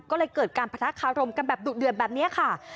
ก็เลยเกิดการประทะคารมกันแบบดุเดือดแบบนี้ค่ะ